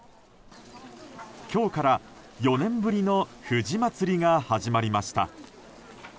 今日から４年ぶりの藤まつりが始まりました。